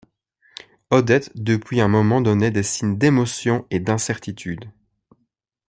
Odette depuis un moment donnait des signes d’émotion et d’incertitude.